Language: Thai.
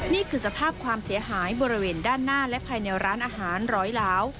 นี่คือสภาพความเสียหายบริเวณด้านหน้าและภายในร้านอาหารร้อยล้าว